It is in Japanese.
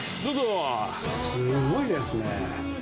すごいですね。